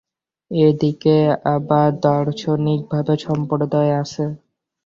এদিকে আবার দার্শনিকদের সম্প্রদায় আছে।